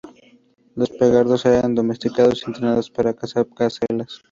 Los guepardos eran domesticados y entrenados para cazar gacelas.